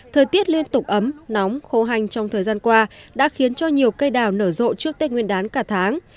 thời tiết liên tục ấm nóng khô hành trong thời gian qua đã khiến cho nhiều cây đào nở rộ trước tết nguyên đán cả tháng